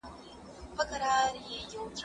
که وخت وي، د کتابتون کتابونه لوستل کوم،